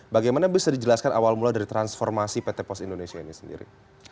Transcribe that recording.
bagaimana bisa dijelaskan awal mula dari transformasi pt pos indonesia ini sendiri